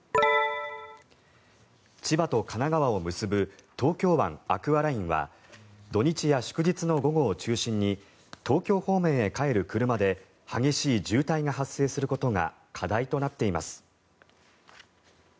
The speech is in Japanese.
千葉と神奈川を結ぶ東京湾アクアラインは土日や祝日の午後を中心に東京方面へ帰る車で激しい渋滞が発生することが課題となっています。